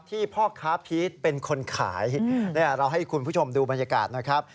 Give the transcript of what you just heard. พ่อค้าพีชเป็นคนขายเราให้คุณผู้ชมดูบรรยากาศนะครับ